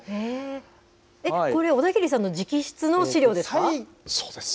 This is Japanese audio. これ、小田切さんの直筆そうです。